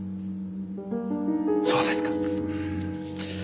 そうですか。